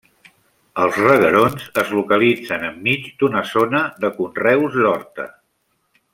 Els Reguerons es localitzen enmig d’una zona de conreus d’horta.